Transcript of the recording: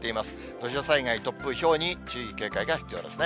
土砂災害、突風、ひょうに注意、警戒が必要ですね。